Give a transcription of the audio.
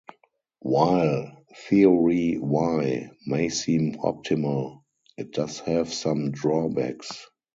While "Theory Y" may seem optimal, it does have some drawbacks.